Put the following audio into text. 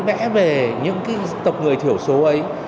vẽ về những tộc người thiểu số ấy